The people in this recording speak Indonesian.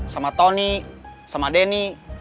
sama tony sama denny